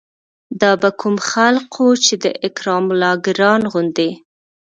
دا به کوم خلق وو چې د اکرام الله ګران غوندې